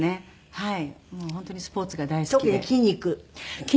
はい。